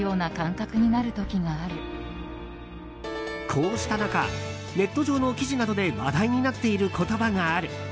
こうした中、ネット上の記事などで話題になっている言葉がある。